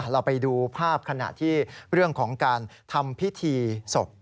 เราไปดูภาพขณะที่เรื่องของการทำพิธีศพ